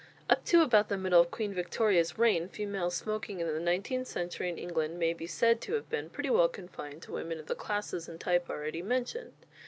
_ Up to about the middle of Queen Victoria's reign female smoking in the nineteenth century in England may be said to have been pretty well confined to women of the classes and type already mentioned.